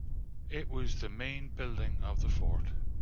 It was the main building of the fort.